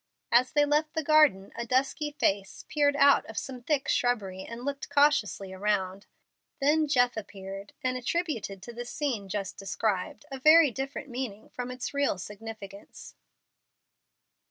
As they left the garden a dusky face peered out of some thick shrubbery and looked cautiously around. Then Jeff appeared and attributed to the scene just described a very different meaning from its real significance.